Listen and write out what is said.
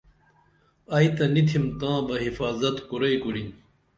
ائی تہ نی تِھم تاں بہ حفاظت کُرئی کُرِن